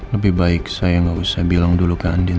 lebih baik saya gak usah bilang dulu ke andien